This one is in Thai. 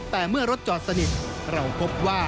แต่เมื่อรถจอดสนิทเราพบว่า